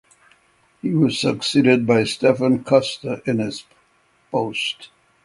He was succeeded by Stefan Kuster in his post.